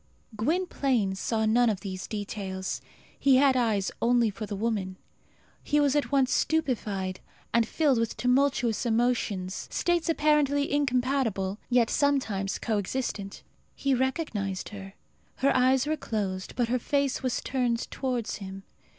Gwynplaine saw none of these details. He had eyes only for the woman. He was at once stupefied and filled with tumultuous emotions, states apparently incompatible, yet sometimes co existent. He recognized her. Her eyes were closed, but her face was turned towards him.